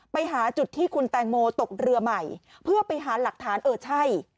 ไปหาจุดที่คุณแตงโมตกเรือใหม่เพื่อไปหาหลักฐานเออใช่